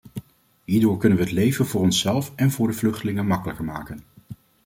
Hierdoor kunnen we het leven voor onszelf en voor de vluchtelingen makkelijker maken.